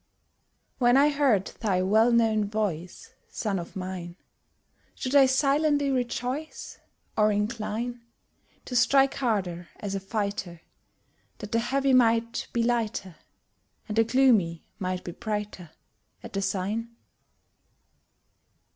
When I heard thy well known voice, Son of mine, Should I silently rejoice, Or incline To strike harder as a fighter, That the heavy might be lighter, And the gloomy might be brighter At the sign?